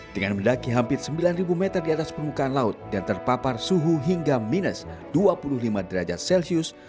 dengan mendaki hampir sembilan meter di atas permukaan laut dan terpapar suhu hingga minus dua puluh lima derajat celcius